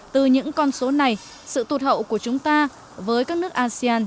từ những con số này sự tụt hậu của chúng ta với các nước asean